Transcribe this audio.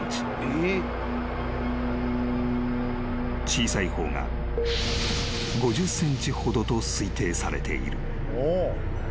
［小さい方が５０ｃｍほどと推定されている］